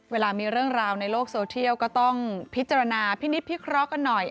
เวลามีเรื่องราวในโลกโซเทียลก็ต้องพิจารณาพินิษฐพิเคราะห์กันหน่อย